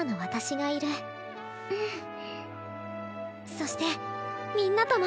そしてみんなとも。